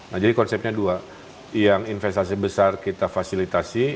nah jadi konsepnya dua yang investasi besar kita fasilitasi